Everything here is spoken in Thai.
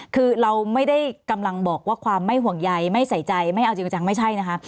คือเราไม่ได้กำลังบอกว่าความไม่ห่วงใยไม่ใส่ใจไม่เอาจริงจังไม่ใช่นะคะ